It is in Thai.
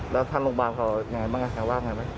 แล้วทางโรงพยาบาลเขาอย่างไรบ้างครับ